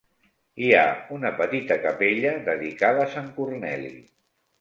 Hi ha una petita capella dedicada a sant Corneli.